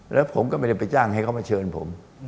แล้วผมก็ไม่ได้ไปจ้างให้เขามาเชิญผม